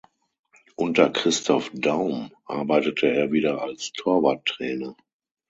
Unter Christoph Daum arbeitete er wieder als Torwarttrainer.